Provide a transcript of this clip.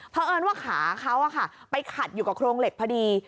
เพราะเอิญว่าขาเขาไปขัดอยู่กับโครงเหล็กพอดี